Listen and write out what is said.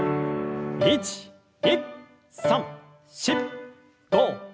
１２３４５６７８。